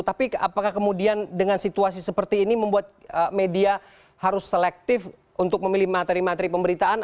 tapi apakah kemudian dengan situasi seperti ini membuat media harus selektif untuk memilih materi materi pemberitaan